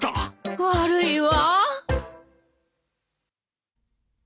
悪いわ。